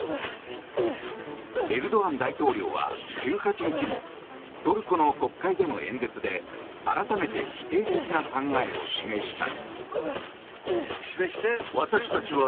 エルドアン大統領は１８日もトルコの国会での演説で改めて否定的な考えを示した。